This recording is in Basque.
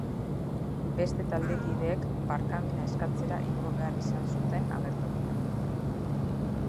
Beste taldekideek barkamena eskatzera igo behar izan zuten agertokira.